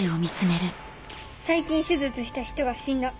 最近手術した人が死んだ。